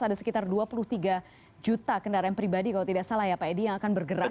ada sekitar dua puluh tiga juta kendaraan pribadi kalau tidak salah ya pak edi yang akan bergerak